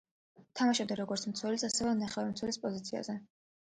თამაშობდა როგორც მცველის, ასევე ნახევარმცველის პოზიციაზე.